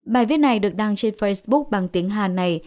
bài viết này được đăng trên facebook bằng tiếng hàn này